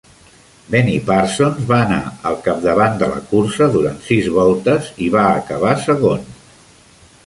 Benny Parsons va anar al capdavant de la cursa durant sis voltes i va acabar segon.